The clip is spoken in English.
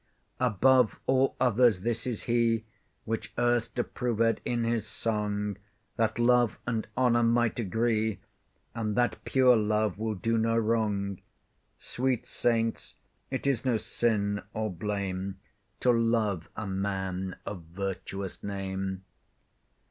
Above all others this is he, Which erst approved in his song, That love and honour might agree, And that pure love will do no wrong. Sweet saints, it is no sin or blame To love a man of virtuous name.